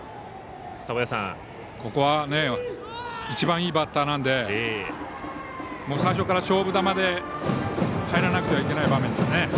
ここは一番いいバッターなので最初から勝負球で入らなくてはいけない場面ですね。